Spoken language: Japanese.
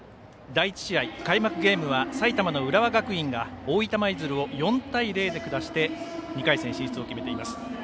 第１試合、開幕ゲームは埼玉の浦和学院が大分舞鶴を４対０で下して２回戦進出を決めています。